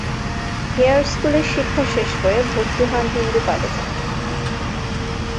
Hair স্কুলের শিক্ষা শেষ করে ভর্তি হন হিন্দু কলেজে।